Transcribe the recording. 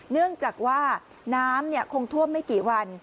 เนื่องจากว่าน้ำคงท่วมไม่กี่วัน